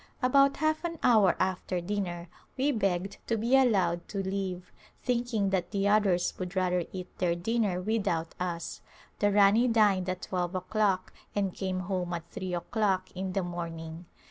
About half an hour after dinner we begged to be allowed to leave, thinking that the others would rather eat their dinner without us. The Rani dined at twelve o'clock and came home at three o'clock in the morning.